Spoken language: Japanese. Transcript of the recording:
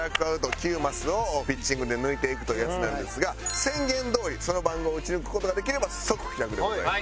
９マスをピッチングで抜いていくというやつなんですが宣言どおりその番号を撃ち抜く事ができれば即帰宅でございます。